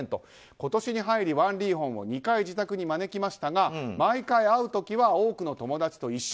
今年に入り、ワン・リーホンを２回自宅に招きましたが毎回会う時は多くの友達と一緒。